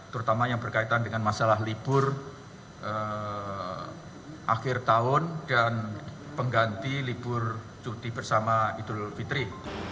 terutama yang berkaitan dengan masalah libur akhir tahun dan pengganti libur cuti bersama idul fitri